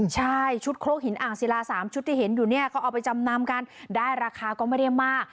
ใช่ชุดโครกหินอ่างศิลาสามชุดที่เห็นอยู่เนี่ยเขาเอาไปจำนำกันได้ราคาก็ไม่ได้มาก